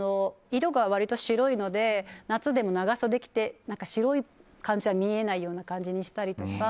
色が割と白いので夏も長袖を着て白い感じが見えないような感じにしたりとか。